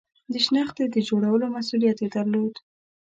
د شنختې د جوړولو مسئولیت یې درلود.